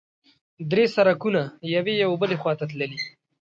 درې سړکونه یوې او بلې خوا ته تللي.